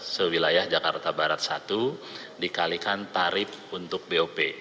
sewilayah jakarta barat satu dikalikan tarif untuk bop